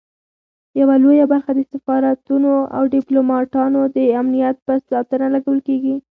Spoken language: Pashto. یوه لویه برخه د سفارتونو او ډیپلوماټانو د امنیت په ساتنه لګول کیږي.